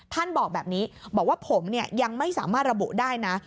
ท่านบอกแบบนี้บอกว่าผมยังไม่สามารถระบุได้นะ